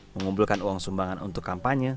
mengumpulkan uang sumbangan untuk kampanye